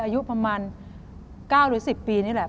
อายุประมาณ๙หรือ๑๐ปีนี่แหละ